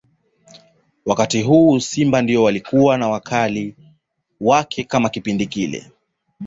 Wakati huu ndio Simba walikuwa na wakali wake kama Kipindi hiki